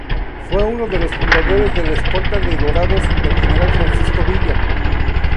Fue uno de los fundadores de la escolta de ""Dorados"" del general Francisco Villa.